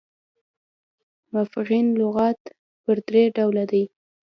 مفغن لغات پر درې ډوله دي.